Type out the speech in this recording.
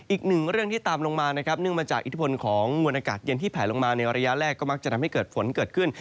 อีกหนึ่งเรื่องที่ตามลงมานะครับเนื่องมาจากอิทธิพลของมวลอากาศเย็นที่แผลลงมาในระยะแรกก็มักจะทำให้เกิดฝนเกิดขึ้น